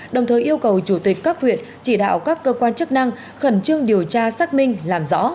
đồng thời yêu cầu chủ tịch các huyện chỉ đạo các cơ quan chức năng khẩn trương điều tra xác minh làm rõ